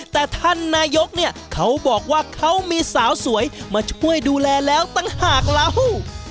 แต่ท่านนายกเนี่ยเขาบอกว่าเขามีสาวสวยมาช่วยดูแลแล้วต่างหากเรา